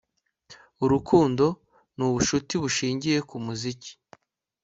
urukundo ni ubucuti bushingiye ku muziki